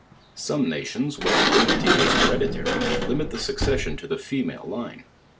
Some nations, where the dignity is hereditary, limit the succession to tho female line.